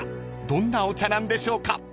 どんなお茶なんでしょうか？］